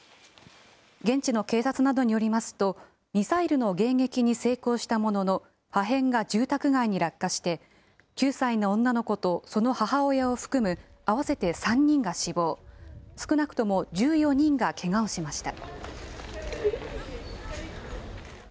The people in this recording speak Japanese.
現地の警察などによりますと、ミサイルの迎撃に成功したものの、破片が住宅街に落下して、９歳の女の子とその母親を含む合わせて３人が死亡、少なくとも１４人がけがをしました。